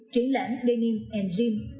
truyện lãm denims and jeans